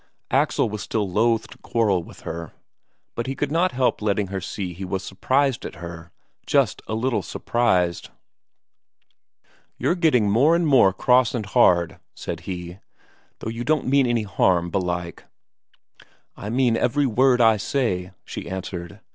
Axel was still loth to quarrel with her, but he could not help letting her see he was surprised at her, just a little surprised. "You're getting more and more cross and hard," said he, "though you don't mean any harm, belike." "I mean every word I say," she answered.